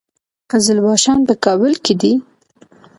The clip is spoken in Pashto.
قزلباشان په کابل کې دي؟